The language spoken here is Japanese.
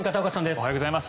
おはようございます。